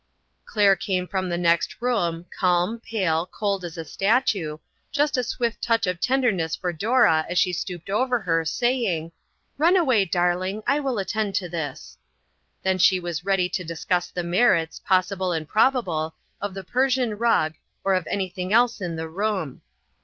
" Claire came from the next room, calm, pale, cold as a statue, just a swift touch of tenderness for Dora as she stooped over her, saying " Run away, darling, I will attend to this," then she was ready to discuss the merits, pos sible and probable, of the Persian rug, or of anything else in the room.